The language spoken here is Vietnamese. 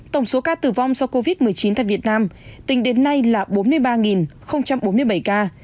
tổng số ca tử vong do covid một mươi chín tại việt nam tính đến nay là bốn mươi ba bốn mươi bảy ca